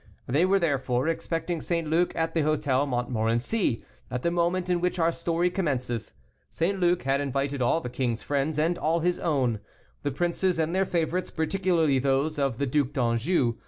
They were, therefore, expecting St. Luc at the Hôtel Montmorency, at the moment in which our story commences. St. Luc had invited all the king's friends and all his own; the princes and their favorites, particularly those of the Duc d'Anjou.